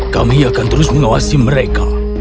kami akan terus mengawasi mereka